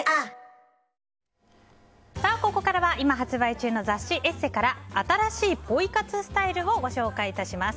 ここからは今発売中の雑誌「ＥＳＳＥ」から新しいポイ活スタイルをご紹介します。